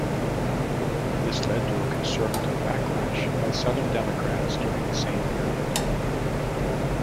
This led to a conservative backlash by southern Democrats during the same period.